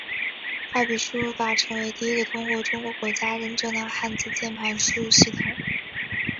二笔输入法成为第一个通过中国国家认证的汉字键盘输入系统。